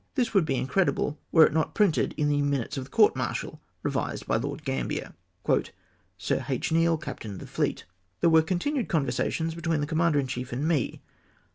This would be incredible were it not printed in " Minutes of the Court Martial, revised by Lord Gambler !" Sir H. Neale (Captain of the Fleet). — "There were conti nued conversations between the Commander in chief and me.